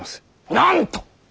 なんと！